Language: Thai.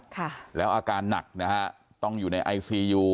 ค่ะแล้วอาการหนักนะฮะต้องอยู่ในไอซียู